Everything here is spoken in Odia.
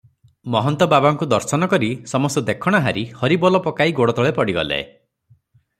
ମହନ୍ତ ବାବାଙ୍କୁ ଦର୍ଶନ କରି ସମସ୍ତ ଦେଖଣାହାରୀ ହରିବୋଲ ପକାଇ ଗୋଡତଳେ ପଡ଼ିଗଲେ ।